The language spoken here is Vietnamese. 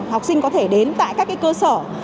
học sinh có thể đến tại các cơ sở